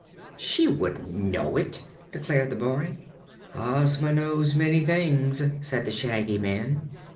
"She wouldn't know it," declared the boy. "Ozma knows many things," said the Shaggy Man.